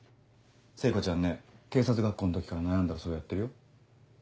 聖子ちゃんね警察学校の時から悩んだらそれやってるよ。